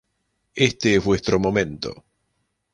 Este es vuestro momento".